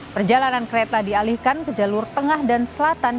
perjalanan kereta dialihkan ke jalur tengah dan selatan